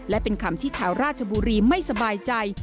และเป็นคำที่ชาวราชบุรีไม่สบายใจ